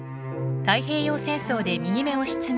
太平洋戦争で右目を失明。